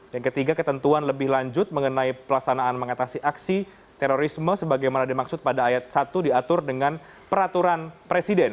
yang ketiga ketentuan lebih lanjut mengenai pelaksanaan mengatasi aksi terorisme sebagaimana dimaksud pada ayat satu diatur dengan peraturan presiden